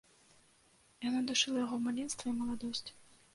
Яна душыла яго маленства і маладосць.